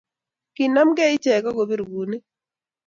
kinamgei ichek agobir bunik